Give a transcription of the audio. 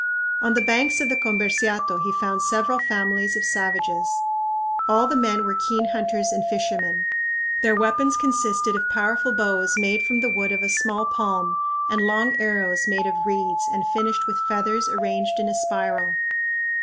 On the banks of the Comberciato he found several families of savages. All the men were keen hunters and fishermen. Their weapons consisted of powerful bows made from the wood of a small palm and long arrows made of reeds and finished with feathers arranged in a spiral.